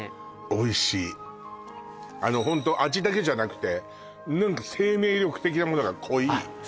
おいしいホント味だけじゃなくて何か生命力的なものが濃いあっ